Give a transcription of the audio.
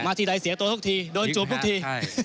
ทีใดเสียตัวทุกทีโดนจวบทุกที